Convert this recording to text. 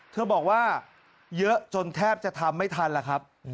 เธอบอกว่าเยอะจนแทบจะทำไม่ทันล่ะครับ